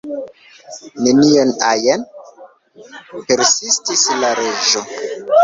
"Nenion ajn?" persistis la Reĝo.